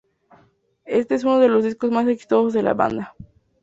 Este es uno de los discos más exitosos de la banda.